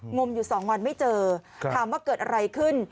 งมอยู่๒วันไม่เจอถามว่าเกิดอะไรขึ้น